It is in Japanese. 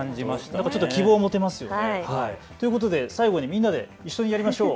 なんか希望を持てますよね。ということで最後にみんなで一緒にやりましょう。